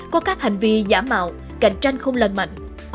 có các hành vi giả mạo cạnh tranh không lành mạnh